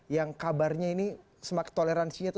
yang kabarnya ini toleransinya itu